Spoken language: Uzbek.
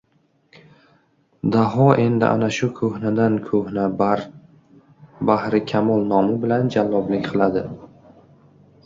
Daho endi ana shu ko‘hnadan-ko‘hna bahrikamol nomi bilan jalloblik qiladi!